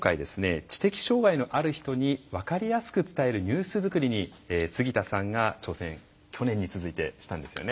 知的障害のある人に分かりやすく伝えるニュース作りに杉田さんが挑戦去年に続いてしたんですよね。